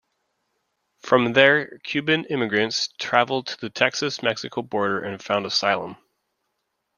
From there Cuban immigrants traveled to the Texas-Mexico border and found asylum.